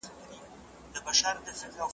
څوک به نه غواړي چي تش کړي ستا د میو ډک جامونه؟ .